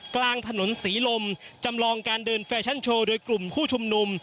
กลางถนนศรีลมจำลองการเดินแฟชั่นโชว์โดยกลุ่มผู้ชุมนุม